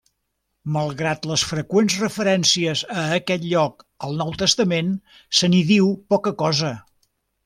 Malgrat les freqüents referències a aquest lloc al Nou Testament, se n'hi diu poca cosa.